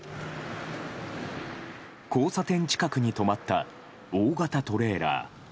交差点近くに止まった大型トレーラー。